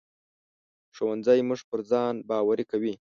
ښوونځی موږ پر ځان باوري کوي